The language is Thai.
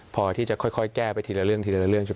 พอที่จะค่อยแก้ไปทีละเรื่อง